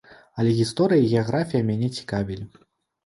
Але гісторыя і геаграфія мяне цікавілі.